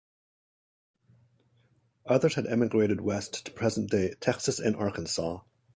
Others had emigrated west to present-day Texas and Arkansas.